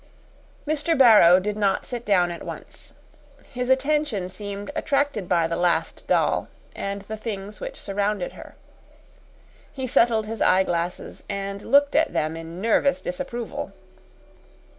Mr. Barrow did not sit down at once. His attention seemed attracted by the Last Doll and the things which surrounded her. He settled his eyeglasses and looked at them in nervous disapproval.